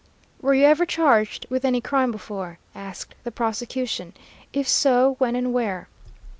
"'Were you ever charged with any crime before?' asked the prosecution. 'If so, when and where?'